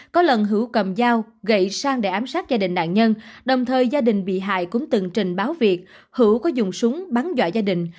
có lần hữu cầm dao gậy sang để ám sát gia đình nạn nhân đồng thời gia đình bị hại cũng từng trình báo việc hữu có dùng súng bắn dọa gia đình